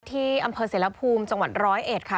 ที่อำเภอเสรภูมิจังหวัดร้อยเอ็ดค่ะ